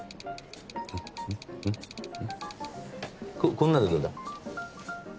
こんなんでどうだ？